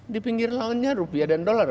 di pinggir lautnya rupiah dan dolar